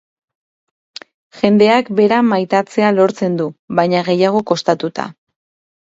Jendeak bera maitatzea lortzen du, baina gehiago kostatuta.